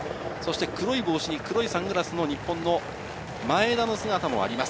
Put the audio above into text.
黒い帽子に黒いサングラスの日本の前田の姿もあります。